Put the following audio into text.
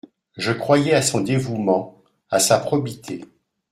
Je croyais à son dévouement, à sa probité.